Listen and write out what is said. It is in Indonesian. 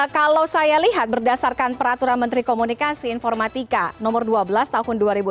kalau saya lihat berdasarkan peraturan menteri komunikasi informatika nomor dua belas tahun dua ribu enam belas